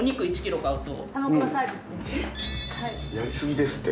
やりすぎですって。